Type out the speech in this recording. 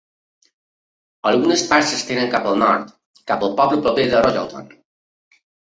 Algunes parts s'estenen cap al nord, cap al poble proper de Royalton.